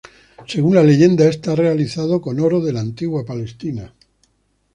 Según la leyenda está realizado con oro de la antigua Palestina.